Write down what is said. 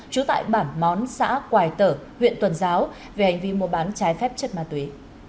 trú tại bản món xã quài tở huyện tuần giáo về hành vi mua bán trái phép chất ma túy